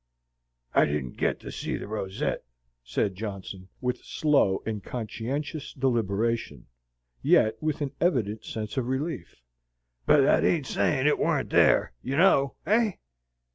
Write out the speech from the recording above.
"I didn't get to see the ros ette," said Johnson, with slow and conscientious deliberation, yet with an evident sense of relief; "but that ain't sayin' it warn't there, you know. Eh?"